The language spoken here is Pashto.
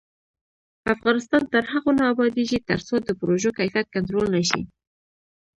افغانستان تر هغو نه ابادیږي، ترڅو د پروژو کیفیت کنټرول نشي.